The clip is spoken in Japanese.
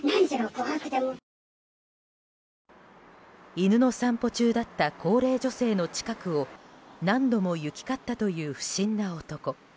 犬の散歩中だった高齢女性の近くを何度も行き交ったという不審な男。